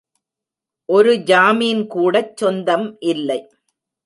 ஒரு ஜமீன்கூடச் சொந்தம் இல்லை.